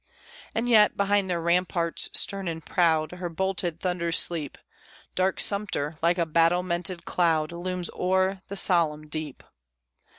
As yet, behind their ramparts, stern and proud, Her bolted thunders sleep, Dark Sumter, like a battlemented cloud, Looms o'er the solemn deep.